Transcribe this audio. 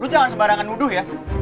itu jangan sembarangan nuduh ya